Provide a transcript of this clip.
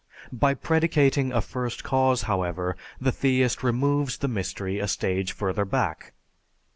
By predicating a First Cause, however, the theist removes the mystery a stage further back.